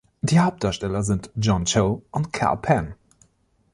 Die Hauptdarsteller sind John Cho und Kal Penn.